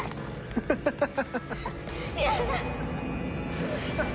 ハハハハハ！